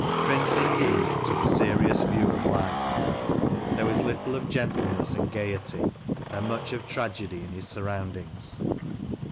Prince, indeed, took a serious view of life. There was little of gentleness and gaiety, and much of tragedy, in his surroundings.